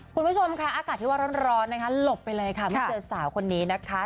คุณผู้ชมค่ะอากาศที่ว่าร้อนนะคะหลบไปเลยค่ะไม่เจอสาวคนนี้นะคะ